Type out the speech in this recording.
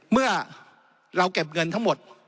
เมื่อเราเก็บเงินทั้งหมด